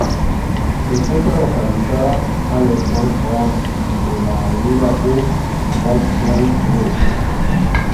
Se encuentra localizada en Allerton, Bronx entre la Avenida Burke y White Plains Road.